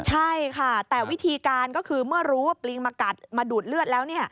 ใช่ค่ะแต่วิธีการก็คือเมื่อรู้ว่าปลิงมากัดมาดูดเลือดแล้ว